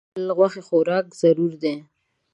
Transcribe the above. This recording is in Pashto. د ځینو خلکو لپاره غوښه خوراکي ضرورت دی.